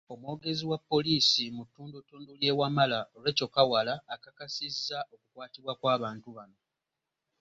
Omwogezi wa poliisi mu ttundu ttundu lye Wamala Rachael Kawala akakasizza okukwatibwa kw’abantu bano.